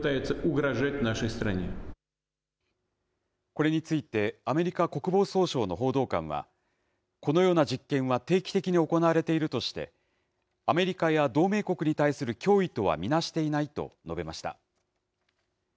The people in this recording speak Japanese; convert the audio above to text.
これについて、アメリカ国防総省の報道官は、このような実験は定期的に行われているとして、アメリカや同盟国に対する脅威とは見なしていないと述べました。